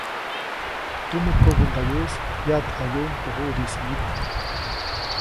Tumä kobändayuʼis pyaʼtjayuʼuŋ teʼ juʼdiʼis wyit.